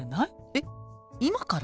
えっ今から？